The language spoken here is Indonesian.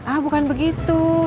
ah bukan begitu